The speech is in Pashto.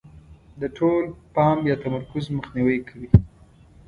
د ټول پام یا تمرکز مخنیوی کوي.